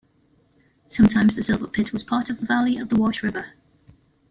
Sometimes the Silver Pit was part of the valley of the Wash River.